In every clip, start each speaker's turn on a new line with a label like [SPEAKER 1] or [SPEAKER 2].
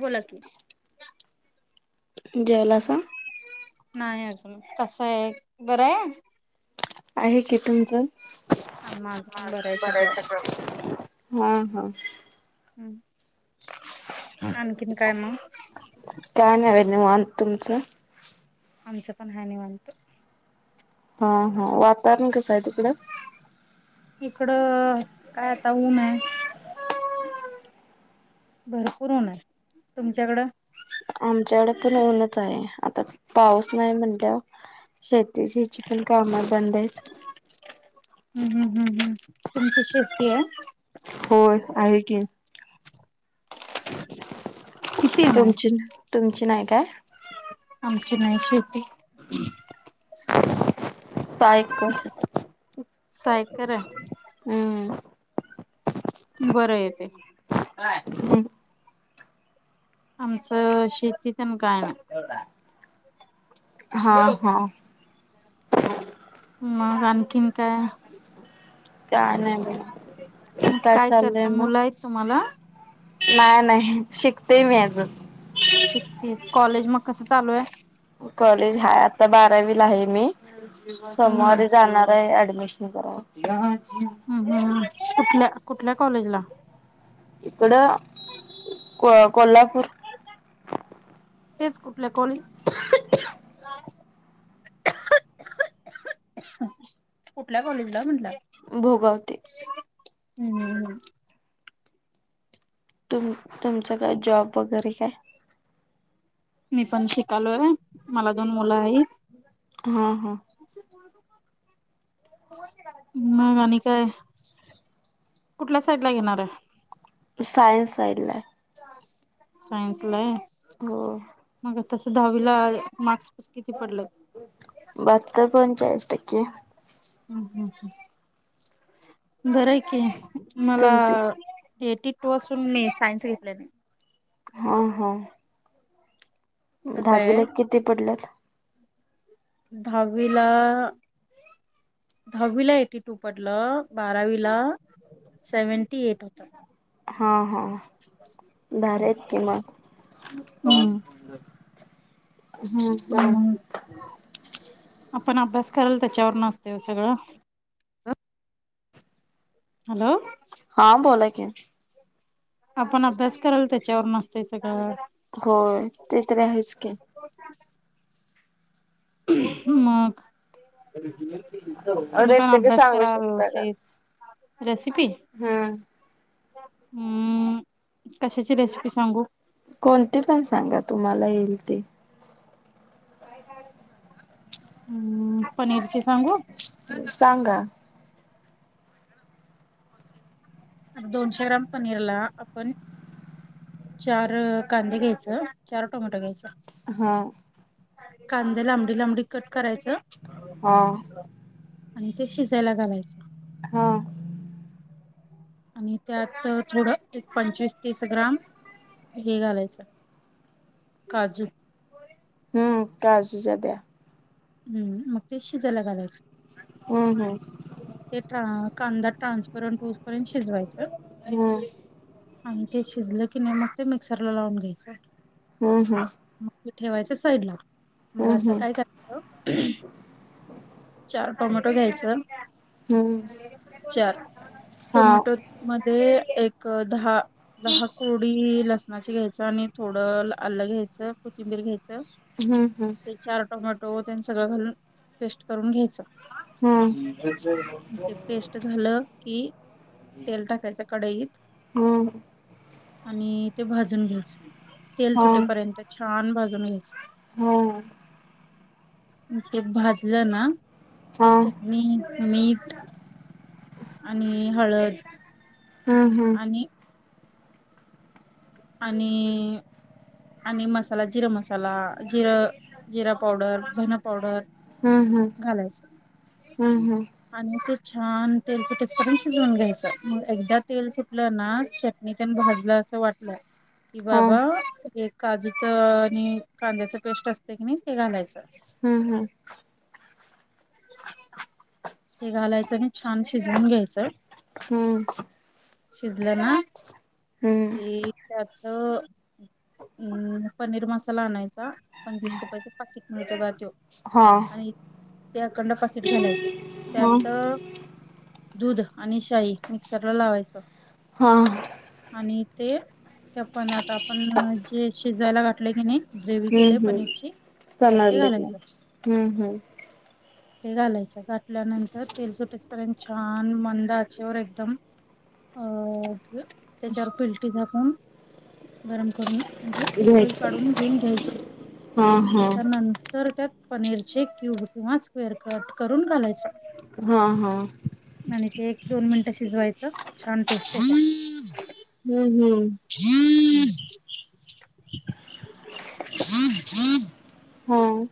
[SPEAKER 1] बोला की
[SPEAKER 2] जेवलासा?
[SPEAKER 1] नाही अजून मग कसं आहे बरं आहे?
[SPEAKER 2] आहे कि तुमचं? माझं पण बरं आहे सगळं. हा हा.
[SPEAKER 1] हम्. आणखीन काय मग?
[SPEAKER 2] काय नाही निवांत तुमचं
[SPEAKER 1] आमचं पण हाय निवांत
[SPEAKER 2] हा हा वातावरण कसं आहे तिकडं?
[SPEAKER 1] इकडं काय आता ऊन आहे. भरपूर होणार तुमच्याकडं?
[SPEAKER 2] आमच्याकड पण ऊनच आहे. पाऊस नाही म्हणल्यावर शेतीची पण कामं बंद आहेत.
[SPEAKER 1] हम् हम्म, हम्म, हम् तुमची शेती आहे?
[SPEAKER 2] होय आहे की.
[SPEAKER 1] किती आहे मग?
[SPEAKER 2] तुमची तुमची नाही काय?
[SPEAKER 1] आमची नाही शेती.
[SPEAKER 2] सायकल
[SPEAKER 1] सायकर
[SPEAKER 2] हम्म.
[SPEAKER 1] बरं येत
[SPEAKER 2] काय हम?
[SPEAKER 1] आमचं शेती तन काय नाही.
[SPEAKER 2] हा हा
[SPEAKER 1] मग आणखीन काय?
[SPEAKER 2] काय नाही बघा
[SPEAKER 1] मग
[SPEAKER 2] काय चाललंय
[SPEAKER 1] करता
[SPEAKER 2] मग?
[SPEAKER 1] मुलं आहेत तुम्हाला?
[SPEAKER 2] नाही नाही शिकते मी अजून
[SPEAKER 1] शिकते कॉलेज मग कसं चालू आहे?
[SPEAKER 2] कॉलेज हाय आता बारावीला आहे, मी
[SPEAKER 1] हम्म.
[SPEAKER 2] सोमवारी जाणार आहे ऍडमिशन मिशन करायला.
[SPEAKER 1] हम्म
[SPEAKER 2] [unintelligible]
[SPEAKER 1] हम्म कुठल्या कुठल्या कॉलेजला?
[SPEAKER 2] इकड को कोल्हापूर
[SPEAKER 1] तेच कुठलं कॉलेजला? कुठल्या कॉलेजला म्हटलं?
[SPEAKER 2] भोगावते.
[SPEAKER 1] हम्म हम् हम्.
[SPEAKER 2] तुम तुमचं काय जॉब वगैरे काय?
[SPEAKER 1] मी पण शिकालोय मला दोन मुलं आहेत.
[SPEAKER 2] हा हा.
[SPEAKER 1] मग आणि काय
[SPEAKER 2] हो.
[SPEAKER 1] कुठल्या साईड ला घेणार आहे?
[SPEAKER 2] सायन्स साइडला.
[SPEAKER 1] सायनसला?
[SPEAKER 2] हो.
[SPEAKER 1] तस दहावीला मार्
[SPEAKER 2] बहाततर पंचाळीस टक्के.
[SPEAKER 1] हम् ह बरं आहे की, मला
[SPEAKER 2] तुमचे
[SPEAKER 1] एटी टू असून मी सायन्स घेतले नई.
[SPEAKER 2] हा हा. दहावीला किती पडल्यात?
[SPEAKER 1] धावीला दहावी ला येटी टू पडलं, बारावीला सेव्हनटी एट होता.
[SPEAKER 2] हा हा, भारी हाईत की मग.
[SPEAKER 1] हम्म
[SPEAKER 2] हम्म बरं.
[SPEAKER 1] मग आपण अभ्यास करल, त्याच्यावर ना असतंय ओ सगळं. हॅलो.
[SPEAKER 2] [unintelligible]
[SPEAKER 1] आपण अभ्यास करल, त्याच्यावरनं असतंय सगळं.
[SPEAKER 2] हो, ते तरी आहेच की.
[SPEAKER 1] मग. तुम्हीपण
[SPEAKER 2] रेसिपी
[SPEAKER 1] अभ्यास
[SPEAKER 2] सांगू
[SPEAKER 1] करा
[SPEAKER 2] शकता का?
[SPEAKER 1] व्यवसित. रेसिपी?
[SPEAKER 2] हम्म
[SPEAKER 1] हम्म, कशाची रेसिपी सांगू?
[SPEAKER 2] कोणतीपण सांगा, तुम्हाला येईल ते.
[SPEAKER 1] हम्म पनीरची सांगू?
[SPEAKER 2] सांगा.
[SPEAKER 1] दोनशे ग्राम पनीरला आपण चार कांदे घ्यायचं, चार टोमॅटा घ्यायचं.
[SPEAKER 2] हा.
[SPEAKER 1] कांदे लांबडी लांबडी कट करायचं
[SPEAKER 2] हा.
[SPEAKER 1] आणि ते शिजायला घालायचं.
[SPEAKER 2] हा.
[SPEAKER 1] आणि त्यात थोडं एक पंचवीस तीस ग्राम हे घालायचं, काजू.
[SPEAKER 2] हम्म काजूच्या ब्या?
[SPEAKER 1] हम्म, मग ते शिजायला घालायचं.
[SPEAKER 2] हं हं.
[SPEAKER 1] ते ट कांदा ट्रान्सपरंट होऊसपर्यंत शिजवायचं.
[SPEAKER 2] हम्म
[SPEAKER 1] आणि ते शिजलं की नाही, मग ते मिक्सरला लावून घ्यायचं.
[SPEAKER 2] हम्म हम्म.
[SPEAKER 1] मग ते ठेवायचं साईडला. मग आता
[SPEAKER 2] हम्म
[SPEAKER 1] काय करायचं, चार टोमॅटो घ्यायचं.
[SPEAKER 2] हम्म हम्म हम्म
[SPEAKER 1] चार
[SPEAKER 2] हा
[SPEAKER 1] टोमॅटोमध्ये एक दहा दहा कोडी लसणाची घायचं आणि थोडं आलं घ्यायचं, कोथिंबीर घ्यायची.
[SPEAKER 2] हम्म हम्म
[SPEAKER 1] ते चार टोमॅटो तेन सगळं घालून, पेस्ट करून घ्यायचं.
[SPEAKER 2] हम्म. हम्म
[SPEAKER 1] ते पेस्ट झालं की तेल टाकायचं कडईत. आणि ते भाजून घ्यायचं, तेल सुटपर्यंत छान भाजून घ्यायच.
[SPEAKER 2] हम्म.
[SPEAKER 1] ते भाजलं ना की
[SPEAKER 2] हा
[SPEAKER 1] चटणी, मीठ आणि हळद
[SPEAKER 2] हम्म हम्म.
[SPEAKER 1] आणि आणि आणि मसाला जिरं मसाला, जिरं-जिरा पावडर, धनं पावडर
[SPEAKER 2] हम्म
[SPEAKER 1] घालायच.
[SPEAKER 2] हम्म हम्म हम्म
[SPEAKER 1] आणि ते छान तेल सुटेस पर्यंत शिजवून घ्यायचं मग एकदा तेल सुटलं ना चटणीतन भाजलं असं वाट कि
[SPEAKER 2] हा
[SPEAKER 1] बाबा एक काजूच आणि कांद्याच पेस्ट असत हाय की नाय ते घालायचं
[SPEAKER 2] हम्म हम्म.
[SPEAKER 1] हे घालायचं आणि छान शिजवून घ्यायचं.
[SPEAKER 2] हम्म.
[SPEAKER 1] शिजलं ना
[SPEAKER 2] हम्म
[SPEAKER 1] की त्यात तं अ पनीर मसाला आणायचा. पंचवीस रुपयाेचे पाकीट मिळतो बघा तो.
[SPEAKER 2] हा
[SPEAKER 1] आणि त्या अकंड पाकिट घालायचं
[SPEAKER 2] हा
[SPEAKER 1] त्यात दूध आणि शाही मिक्सर ला लावायचं.
[SPEAKER 2] हा.
[SPEAKER 1] आणि ते त्या पाणी आता आपण जे शिजायला घातले की नाही ग्रेवी
[SPEAKER 2] हम्म
[SPEAKER 1] केलेय
[SPEAKER 2] हम्म
[SPEAKER 1] पनीरची त्यात ते
[SPEAKER 2] समजलं की
[SPEAKER 1] घालायचं.
[SPEAKER 2] हम्म हम्म
[SPEAKER 1] ते घालायचं घाातल्यानंतर तेल सुटेचपर्यंत छान मंदाच्यावर एकदम अ त्याच्यावर पिलटी झाकून गरम करून म्हणजे उकळी
[SPEAKER 2] घ्यायचं
[SPEAKER 1] काढून घेऊन घ्यायची
[SPEAKER 2] हा हा
[SPEAKER 1] त्याच्यानंतर त्यात पनीरचे क्यूब किंवा स्क्वेअर कट करून घालायचं.
[SPEAKER 2] हा हा
[SPEAKER 1] आणि ते एक दोन मिनिटं शिजवायचं. छान टेस्टे येते.
[SPEAKER 2] हम्म हम्म
[SPEAKER 1] हम्म. [inaudible]
[SPEAKER 2] हम.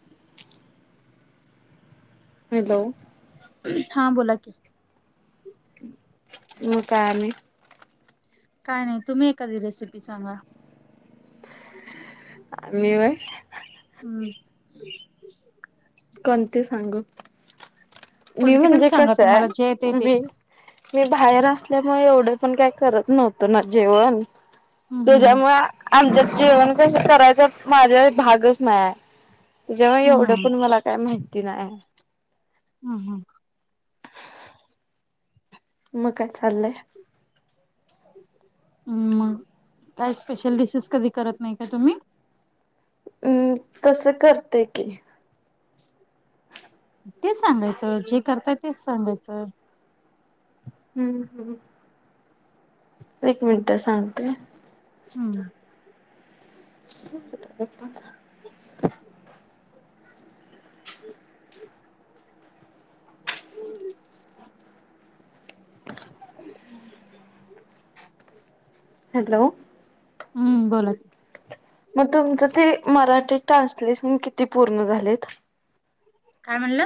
[SPEAKER 2] हॅलो.
[SPEAKER 1] हा बोला की.
[SPEAKER 2] मग काय आणि.
[SPEAKER 1] काय नाही तुम्ही एखादी रेसिपी सांगा.
[SPEAKER 2] मी व्हय.
[SPEAKER 1] हम्म.
[SPEAKER 2] कोणते सांगू मी
[SPEAKER 1] कोणती पण
[SPEAKER 2] म्हणजे
[SPEAKER 1] सांगा
[SPEAKER 2] कस
[SPEAKER 1] तुम्हाला जे येते
[SPEAKER 2] आहे
[SPEAKER 1] ते
[SPEAKER 2] मी मी बाहेर असल्यामुळे एवढं पण काय करत नव्हतो ना जेवण.
[SPEAKER 1] हम्म हम्म
[SPEAKER 2] त्याच्यामुळ आमच्यातं जेवण कस करायचं माझा भागच नाहीय जेव्हा एवढं
[SPEAKER 1] हम्म
[SPEAKER 2] पण मला काय माहिती नाय.
[SPEAKER 1] हम्म हम्म.
[SPEAKER 2] मग काय चाललंय.
[SPEAKER 1] हम्म काय स्पेशल डिशेस कधी करत नाही का तुम्ही.
[SPEAKER 2] हम्म तसं करते की.
[SPEAKER 1] ते सांगायचं जे करताय तेच सांगायचं.
[SPEAKER 2] हम्म हम्म एक मिनिट सांगतेय.
[SPEAKER 1] हम्म.
[SPEAKER 2] [unintelligible]
[SPEAKER 1] [unintelligible] [unintelligible]
[SPEAKER 2] [inaudible]
[SPEAKER 1] [unintelligible]
[SPEAKER 2] हॅलो.
[SPEAKER 1] हम्म बोला कि.
[SPEAKER 2] मग तुमचं ते मराठी ट्रान्सलेशन किती पूर्ण झालेत.
[SPEAKER 1] काय म्हणलं?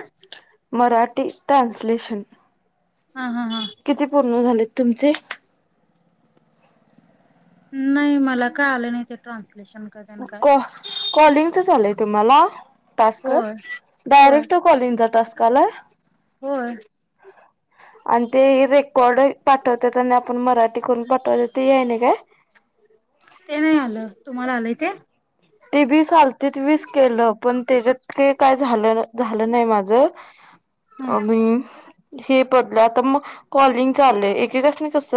[SPEAKER 2] मराठी ट्रान्सलेशन.
[SPEAKER 1] हा हा हा.
[SPEAKER 2] हो झालेत तुमचे.
[SPEAKER 1] नाही मला काय आलं नाही ते ट्रान्सलेशन तेन काय.
[SPEAKER 2] कॉलिंगच च आलंय तुम्हाला. टास्क
[SPEAKER 1] होय होय
[SPEAKER 2] डायरेक्ट कॉलिंगचा टास्क आलाय.
[SPEAKER 1] होय
[SPEAKER 2] आणि ते रेकॉर्ड पाठवत्यात आणि आ आपण मराठी करून पाठवलं ते या नाही काय.
[SPEAKER 1] ते नाही आलं तुम्हाला आलंय काय.
[SPEAKER 2] ती वीस आलतीत वीस केलं पण त्याच्यात का काय झालं झालं नाही माझ.
[SPEAKER 1] ह
[SPEAKER 2] आणि हे पडलं आता मग. कॉलिंग चालय एकेकासानी कस.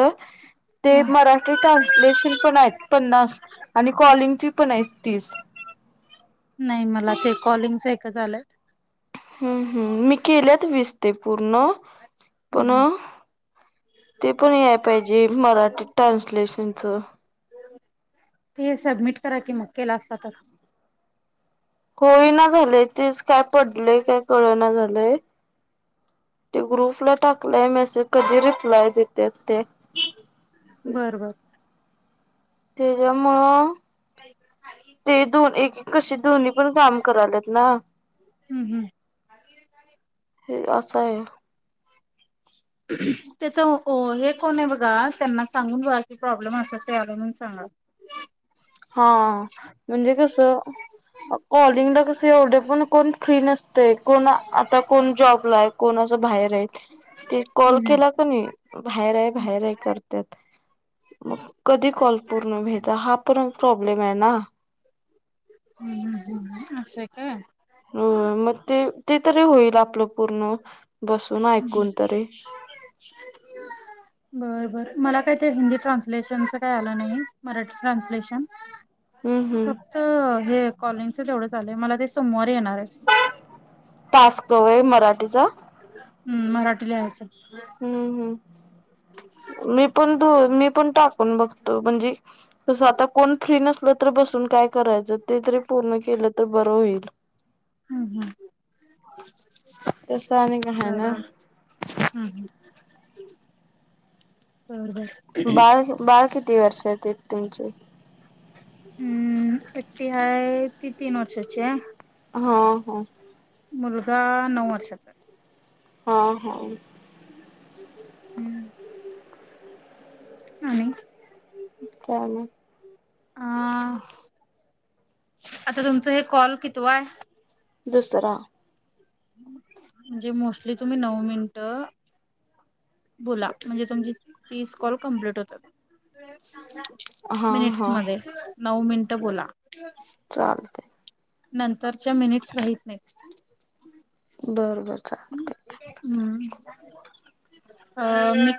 [SPEAKER 2] ते
[SPEAKER 1] ह
[SPEAKER 2] मराठी ट्रान्सलेशन पण आहेत पन्नास आणि कॉलिंगची पण आहे.
[SPEAKER 1] नाही मला ते कॉलिंगस एकच आलंय.
[SPEAKER 2] हम्म हम्म मी केल्यात वीसते पूर्ण पण ते पण याय पाहिजे मराठी ट्रान्सलेशनच.
[SPEAKER 1] ते सबमिट करा कि, मग केला असता तर.
[SPEAKER 2] होय ना झालंय तेच काय पडलय काय कळ ना झालंय. ते ग्रुपला टाकलंय मेसेज कधी रिप्लाय देत ते.
[SPEAKER 1] बर बर.
[SPEAKER 2] तेच्यामुळं. ते दोन एक कशी दोन्ही पण काम करालत ना.
[SPEAKER 1] हम्म हम्म.
[SPEAKER 2] हे असं आहे.
[SPEAKER 1] त्याच हे कोण आहे बघा त्यांना सांगून बघा की प्रॉब्लेम असा म्हणून सांगा. [unintelligible]
[SPEAKER 2] हा म्हणजे कसं. कॉलिंगला कस एवढे पण कोण फ्री नसते कोण आता कोण जॉबला आहे कोण. जे बाहेर आहेत कॉल
[SPEAKER 1] हम्म
[SPEAKER 2] केला क नाही बाहेर आहे,
[SPEAKER 1] हम्म.
[SPEAKER 2] बाहेर आहे, करतत्यात. मग कधी कॉल पूर्ण व्हायचा हा पण प्रॉब्लेम आहे ना.
[SPEAKER 1] हम् ह् ह् ह् अस असं काय.
[SPEAKER 2] ह मग ते ते तरी होईल आपलं पूर्ण. बसून ऐकून तरी.
[SPEAKER 1] बर बर मला काय ते हिंदी ट्रान्सलेशनच काही आलं नाही मराठी ट्रान्सलेशन.
[SPEAKER 2] हम्म हम्म
[SPEAKER 1] फक्त हे कॉलिंगच एवढं झालंय मला ते सोमवारी. येणार आहे.
[SPEAKER 2] तो होय मराठीचा.
[SPEAKER 1] हम् मराठी लिहायचं.
[SPEAKER 2] हम्म हम्म. मी पण मी पण टाकून बघतो म्हणजे कस आता कोण फ्री नसल तर बसून काय. काय करायचं ते जरी पूर्ण केलं तर बरं होईल.
[SPEAKER 1] हम्म हम्.
[SPEAKER 2] तसने का आहे ना.
[SPEAKER 1] बरं हम्म हम्म बर बर
[SPEAKER 2] बाळ बाळ किती वर्षात तुमचे.
[SPEAKER 1] हम्म एकटी आहे, ती तीन वर्षाची हाय.
[SPEAKER 2] हो हो.
[SPEAKER 1] मुलगा नऊ वर्षाचा.
[SPEAKER 2] हा हा.
[SPEAKER 1] आणि.
[SPEAKER 2] चालन.
[SPEAKER 1] आ आता तुमचं हे कॉल कितवा आहे.
[SPEAKER 2] दुसरा
[SPEAKER 1] म्हणजे मोस्टली तुम्ही नऊ मिनिट बोला म्हणजे तुमची तीस कॉल कम्प्लीट होतात
[SPEAKER 2] हा
[SPEAKER 1] मिनिट्स मध्ये नऊ मि
[SPEAKER 2] चाल
[SPEAKER 1] नंतरच्या मिनिट्स राहीत नाहीत
[SPEAKER 2] बरं बरं चालतंय.
[SPEAKER 1] ् अ मी